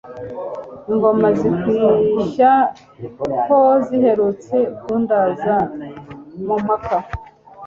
Ingoma zikwishya ho Ziherutse kundaza mu mpaka